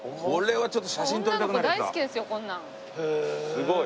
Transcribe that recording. すごい。